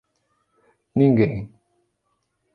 Ninguém